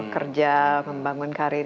kerja membangun karir